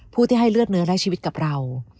ผู้ที่ให้เลือดเนื้อและชีวิตกับเรา